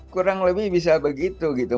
kurang lebih bisa begitu gitu